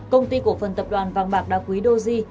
công ty cổ phần tập đoàn vàng bạc đa quý doji